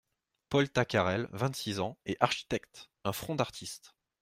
Paul Tacarel , vingt-six ans… et architecte !… un front d’artiste !…